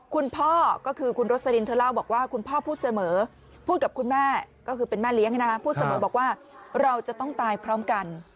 คุณพ่อก็คือคุณรสลินเธอเล่าบอกว่าคุณพ่อพูดเสมอพูดกับคุณแม่ก็คือเป็นแม่เลี้ยงพูดเสมอบอกว่าเราจะต้องตายพร้อมกัน